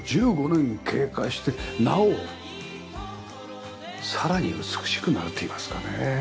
１５年経過してなおさらに美しくなるといいますかね。